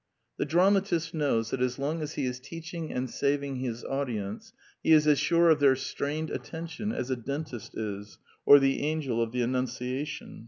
The dramatist knows that as long as he is teaching and saving his audience, he is as sure of their strained attention as a dentist is, or the Angel of the Annunciation.